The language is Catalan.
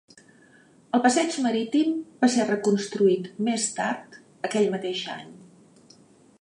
El passeig marítim va ser reconstruït més tard aquell mateix any.